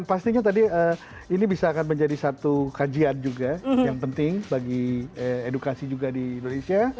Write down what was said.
pastinya tadi ini bisa akan menjadi satu kajian juga yang penting bagi edukasi juga di indonesia